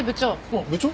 あっ部長？